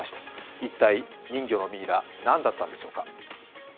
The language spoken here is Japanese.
一体、人魚のミイラ、何だったのでしょうか。